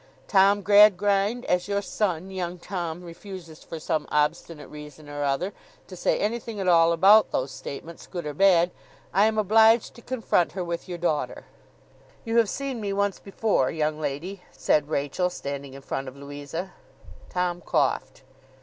Tom Gradgrind, as your son, young Tom, refuses for some obstinate reason or other to say anything at all about those statements, good or bad, I am obliged to confront her with your daughter.' 'You have seen me once before, young lady,' said Rachael, standing in front of Louisa. Tom coughed.